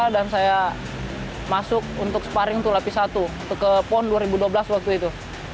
dan saya masuk untuk sparring untuk lapis satu untuk ke pon dua ribu dua belas waktu itu